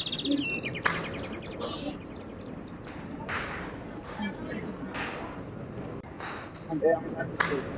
აღმოსავლეთ საქართველოს მთიელები თაყვანს სცემდნენ, როგორც ქალების, ბავშვების, მონადირეთა და საქონლის მფარველს.